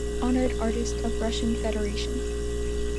Honored Artists of Russian Federation.